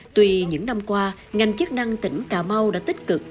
tùy những năm qua ngành chức năng tỉnh cà mau đã tích cực